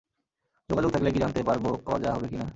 যোগাযোগ থাকলেই জানতে পারব কজা হবে কি না।